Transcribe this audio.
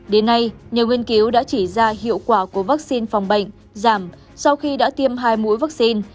đến nay nhiều nghiên cứu đã chỉ ra hiệu quả của vaccine phòng bệnh giảm sau khi đã tiêm hai mũi vaccine